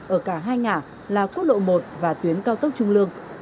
ở cả hai ngã là quốc lộ một và tuyến cao tốc trung lương